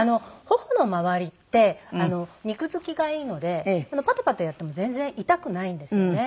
頬の周りって肉付きがいいのでパタパタやっても全然痛くないんですよね。